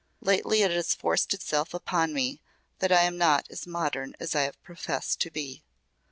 Lately it has forced itself upon me that I am not as modern as I have professed to be.